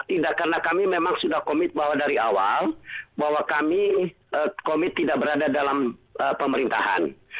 tidak karena kami memang sudah komit bahwa dari awal bahwa kami komit tidak berada dalam pemerintahan